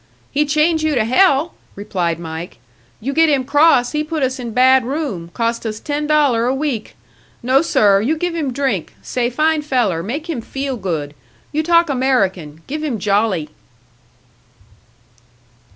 "He change you to hell!" replied Mike. "You get him cross, he put us in bad room, cost us ten dollar a week. No, sir you give him drink, say fine feller, make him feel good. You talk American give him jolly!"